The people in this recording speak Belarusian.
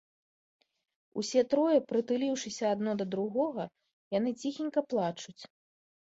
Усе трое, прытулiўшыся адно да другога, яны цiхенька плачуць.